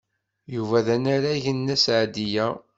Yuba d anarag n Nna Seɛdiya.